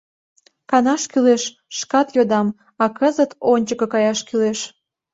— Канаш кӱлеш – шкат йодам, а кызыт ончыко каяш кӱлеш...